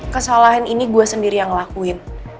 kesalahan ini gue sendiri yang lakuin